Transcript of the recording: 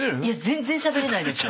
全然しゃべれないです。